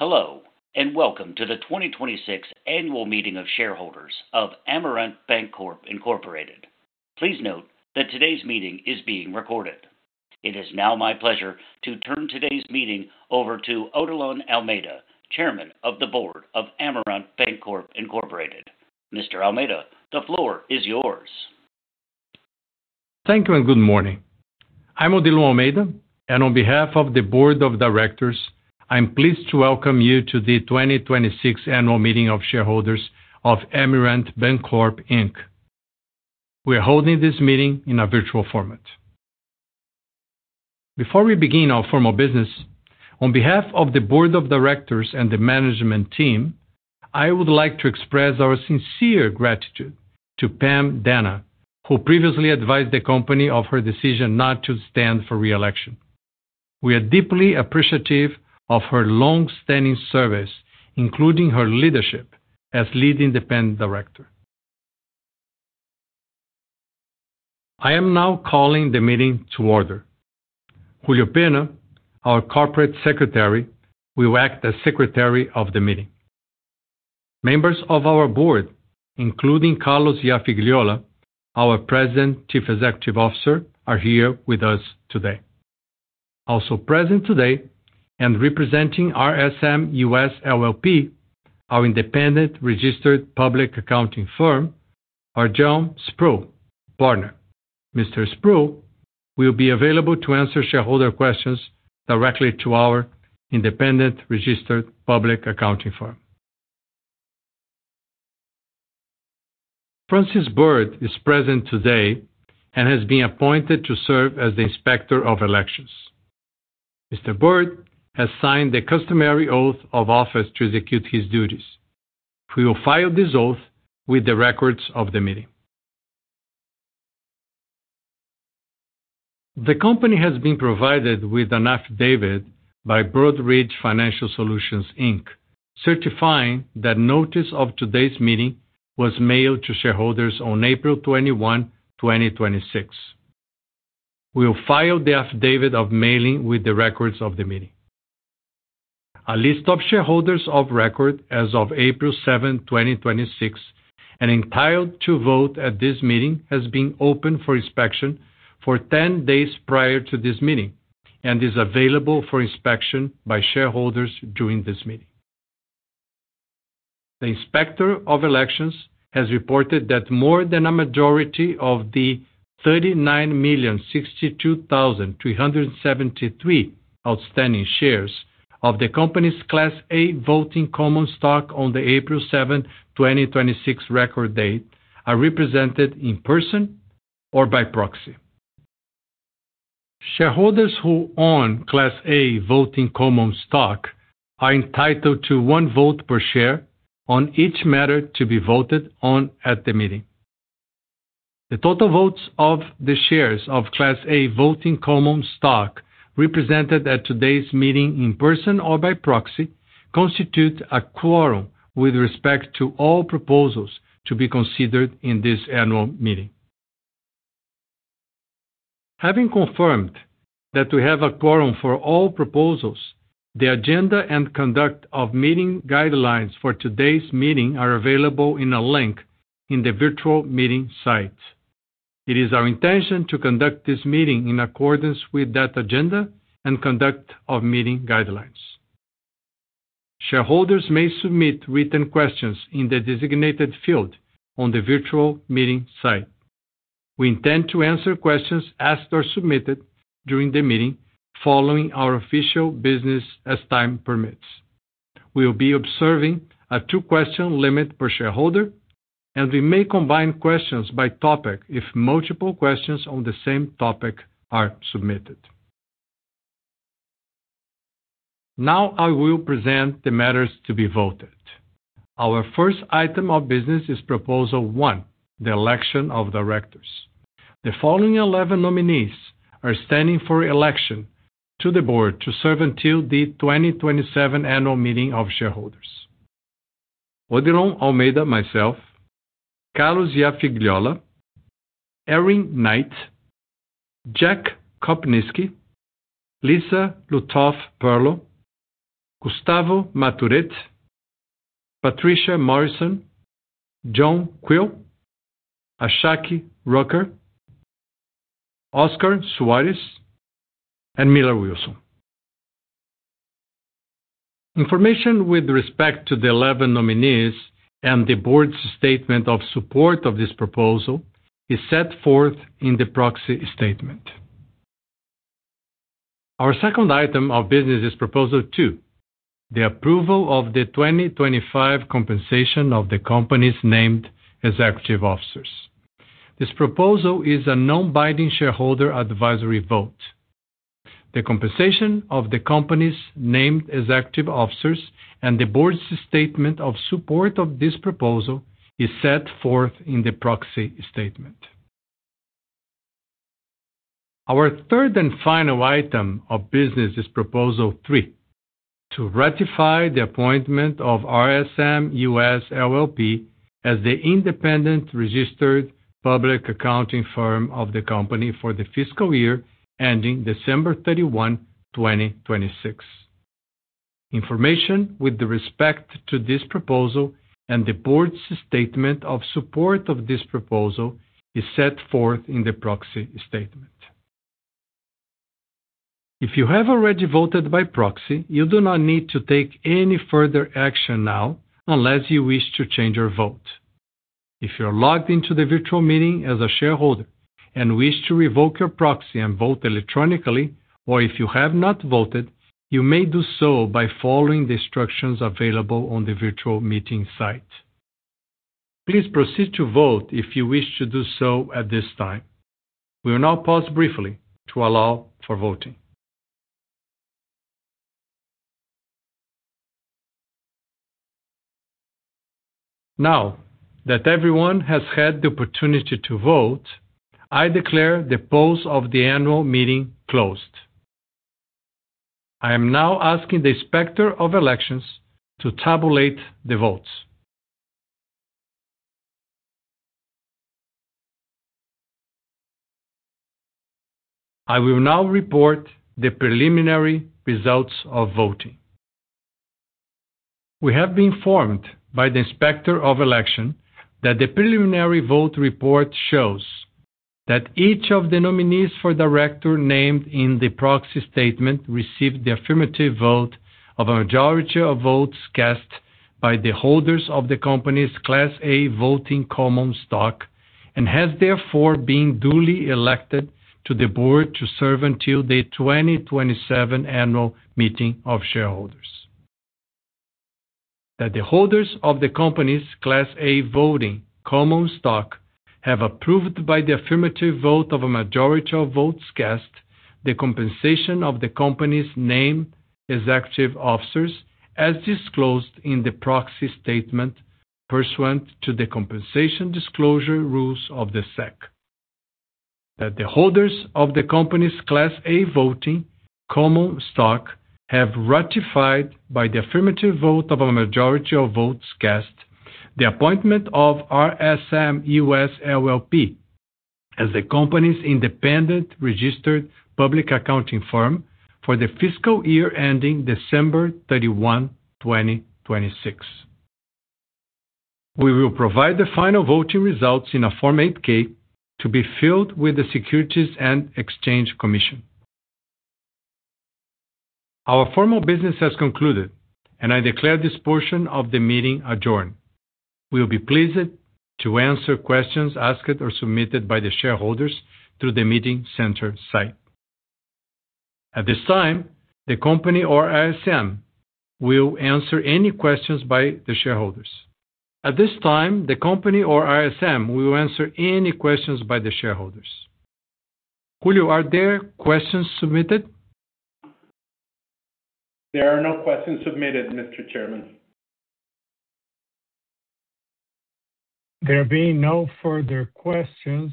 Hello, welcome to the 2026 annual meeting of shareholders of Amerant Bancorp Incorporated. Please note that today's meeting is being recorded. It is now my pleasure to turn today's meeting over to Odilon Almeida, Chairman of the Board of Amerant Bancorp Incorporated. Mr. Almeida, the floor is yours. Thank you, and good morning. I'm Odilon Almeida, and on behalf of the board of directors, I'm pleased to welcome you to the 2026 annual meeting of shareholders of Amerant Bancorp Inc. We are holding this meeting in a virtual format. Before we begin our formal business, on behalf of the board of directors and the management team, I would like to express our sincere gratitude to Pam Dana, who previously advised the company of her decision not to stand for re-election. We are deeply appreciative of her longstanding service, including her leadership as lead independent director. I am now calling the meeting to order. Julio Pena, our Corporate Secretary, will act as secretary of the meeting. Members of our board, including Carlos Iafigliola, our President Chief Executive Officer, are here with us today. Also present today and representing RSM US LLP, our independent registered public accounting firm, are John Sproul, partner. Mr. Sproul will be available to answer shareholder questions directly to our independent registered public accounting firm. Francis Byrd is present today and has been appointed to serve as the inspector of elections. Mr. Byrd has signed the customary oath of office to execute his duties. We will file this oath with the records of the meeting. The company has been provided with an affidavit by Broadridge Financial Solutions, Inc., certifying that notice of today's meeting was mailed to shareholders on April 21, 2026. We will file the affidavit of mailing with the records of the meeting. A list of shareholders of record as of April 7, 2026, and entitled to vote at this meeting has been open for inspection for 10 days prior to this meeting and is available for inspection by shareholders during this meeting. The inspector of elections has reported that more than a majority of the 39,062,373 outstanding shares of the company's Class A voting common stock on the April 7th, 2026 record date are represented in person or by proxy. Shareholders who own Class A voting common stock are entitled to one vote per share on each matter to be voted on at the meeting. The total votes of the shares of Class A voting common stock represented at today's meeting in person or by proxy constitute a quorum with respect to all proposals to be considered in this annual meeting. Having confirmed that we have a quorum for all proposals, the agenda and conduct of meeting guidelines for today's meeting are available in a link in the virtual meeting site. It is our intention to conduct this meeting in accordance with that agenda and conduct of meeting guidelines. Shareholders may submit written questions in the designated field on the virtual meeting site. We intend to answer questions asked or submitted during the meeting following our official business as time permits. We will be observing a two-question limit per shareholder, and we may combine questions by topic if multiple questions on the same topic are submitted. Now I will present the matters to be voted. Our first item of business is Proposal 1, the election of directors. The following 11 nominees are standing for election to the board to serve until the 2027 annual meeting of shareholders. Odilon Almeida, myself, Carlos Iafigliola, Erin Knight, Jack Kopnisky, Lisa Lutoff-Perlo, Gustavo Marturet, Patricia Morrison, John Quill, Ashaki Rucker, Oscar Suarez, and Millar Wilson. Information with respect to the 11 nominees and the board's statement of support of this proposal is set forth in the proxy statement. Our second item of business is Proposal 2, the approval of the 2025 compensation of the company's named executive officers. This proposal is a non-binding shareholder advisory vote. The compensation of the company's named executive officers and the board's statement of support of this proposal is set forth in the proxy statement. Our third and final item of business is Proposal 3, to ratify the appointment of RSM US LLP as the independent registered public accounting firm of the company for the fiscal year ending December 31, 2026. Information with respect to this proposal and the board's statement of support of this proposal is set forth in the proxy statement. If you have already voted by proxy, you do not need to take any further action now unless you wish to change your vote. If you're logged into the virtual meeting as a shareholder and wish to revoke your proxy and vote electronically, or if you have not voted, you may do so by following the instructions available on the virtual meeting site. Please proceed to vote if you wish to do so at this time. We will now pause briefly to allow for voting. Now that everyone has had the opportunity to vote, I declare the polls of the annual meeting closed. I am now asking the Inspector of Elections to tabulate the votes. I will now report the preliminary results of voting. We have been informed by the Inspector of Elections that the preliminary vote report shows that each of the nominees for director named in the proxy statement received the affirmative vote of a majority of votes cast by the holders of the company's Class A voting common stock and has therefore been duly elected to the board to serve until the 2027 annual meeting of shareholders. That the holders of the company's Class A voting common stock have approved, by the affirmative vote of a majority of votes cast, the compensation of the company's named executive officers as disclosed in the proxy statement pursuant to the compensation disclosure rules of the SEC. That the holders of the company's Class A voting common stock have ratified, by the affirmative vote of a majority of votes cast, the appointment of RSM US LLP as the company's independent registered public accounting firm for the fiscal year ending December 31, 2026. We will provide the final voting results in a Form 8-K to be filed with the Securities and Exchange Commission. Our formal business has concluded, and I declare this portion of the meeting adjourned. We will be pleased to answer questions asked or submitted by the shareholders through the Meeting Center site. At this time, the company or RSM will answer any questions by the shareholders. At this time, the company or RSM will answer any questions by the shareholders. Julio, are there questions submitted? There are no questions submitted, Mr. Chairman. There being no further questions,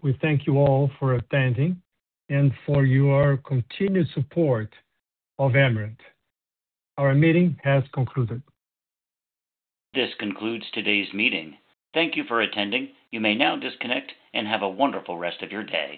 we thank you all for attending and for your continued support of Amerant. Our meeting has concluded. This concludes today's meeting. Thank you for attending. You may now disconnect and have a wonderful rest of your day.